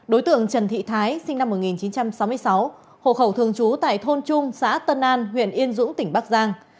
đối tượng trần thị thái sinh năm một nghìn chín trăm sáu mươi sáu hộ khẩu thường trú tại thôn trung xã tân an huyện yên dũng tỉnh bắc giang